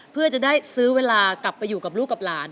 เพื่อจะได้ซื้อเวลากลับไปอยู่กับลูกกับหลาน